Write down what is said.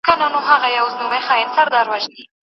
هغه له نارینه سره د ژوند کومه تجربه نه لري؟